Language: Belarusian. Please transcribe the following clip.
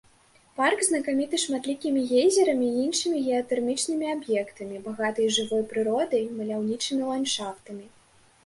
Парк знакаміты шматлікімі гейзерамі і іншымі геатэрмічнымі аб'ектамі, багатай жывой прыродай, маляўнічымі ландшафтамі.